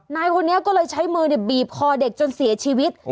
นายคนนี้ก็เลยใช้มือบีบคอเด็กจนเสียชีวิต